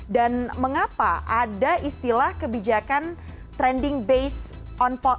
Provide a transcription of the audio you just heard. dan mengapa ada istilah kebijakan trending based on